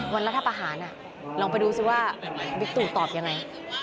วันราชภาษณ์อ่ะลองไปดูซิว่าวิตุตอบยังไง